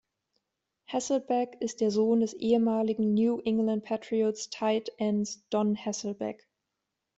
Hasselbeck ist der Sohn des ehemaligen New-England-Patriots-Tight-Ends Don Hasselbeck.